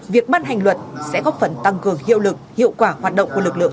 việc ban hành luật sẽ góp phần tăng cường hiệu lực hiệu quả hoạt động của lực lượng